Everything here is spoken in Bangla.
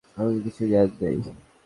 তোমাকে কিছু জ্ঞান দেই।